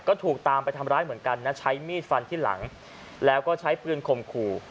ก็ถูกตามไปทำร้ายเหมือนกันนะใช้มีดฟันที่หลังแล้วก็ใช้ปืนข่มขู่